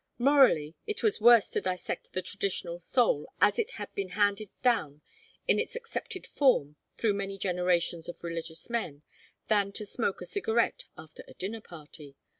Morally, it was worse to dissect the traditional soul as it had been handed down in its accepted form through many generations of religious men, than to smoke a cigarette after a dinner party.